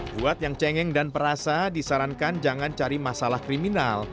buat yang cengeng dan perasa disarankan jangan cari masalah kriminal